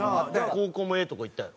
高校もええとこ行ったやろ？